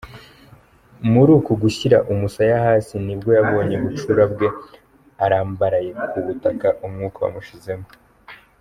Muri uko gushyira umusaya hasi, nibwo yabonye bucura bwe arambaraye ku butaka, umwuka wamushizemo.